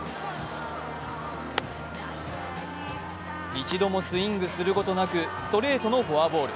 一度もスイングすることなくストレートのフォアボール。